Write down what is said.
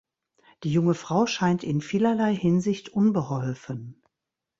Die junge Frau scheint in vielerlei Hinsicht unbeholfen.